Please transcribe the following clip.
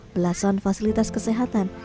belasan fasilitas kesehatan